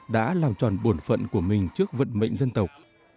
đã làm tròn bổn phận của mình trước vận mệnh dân tộc